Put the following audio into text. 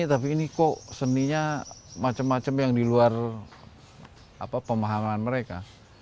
tapi ini kok seninya macam macam yang di luar pemahaman mereka